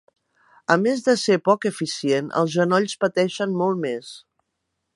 A més de ser poc eficient els genolls pateixen molt més.